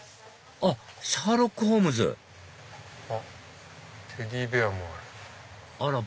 あっシャーロック・ホームズあっテディベアもある。